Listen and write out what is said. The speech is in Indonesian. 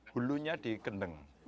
hulunya di kendeng